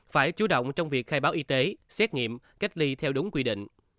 phải chú động trong việc khai báo y tế xét nghiệm cách ly theo đúng quy định